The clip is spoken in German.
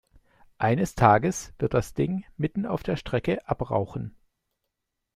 Eines Tages wird das Ding mitten auf der Strecke abrauchen.